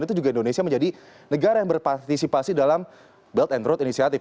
selain itu indonesia juga menjadi negara yang berpartisipasi dalam belt and road initiative